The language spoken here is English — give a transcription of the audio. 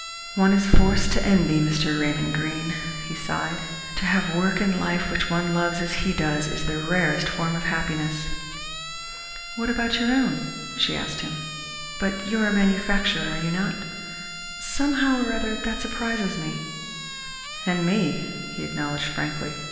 "One is forced to envy Mr. Raymond Greene," he sighed. "To have work in life which one loves as he does his is the rarest form of happiness." "What about your own?" she asked him. "But you are a manufacturer, are you not? Somehow or other, that surprises me." "And me," he acknowledged frankly.